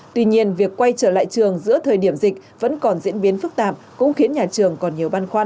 tuy nhiên việc quay trở lại trường giữa thời điểm dịch vẫn còn diễn biến phức tạp cũng khiến nhà trường còn nhiều băn khoăn